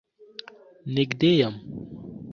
نږدې يم.